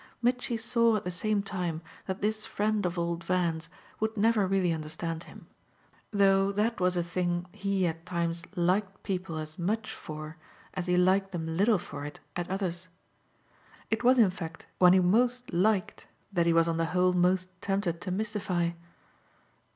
Mitchy saw at the same time that this friend of old Van's would never really understand him; though that was a thing he at times liked people as much for as he liked them little for it at others. It was in fact when he most liked that he was on the whole most tempted to mystify.